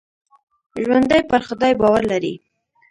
ژوندي پر خدای باور لري